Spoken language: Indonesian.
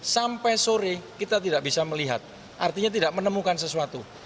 sampai sore kita tidak bisa melihat artinya tidak menemukan sesuatu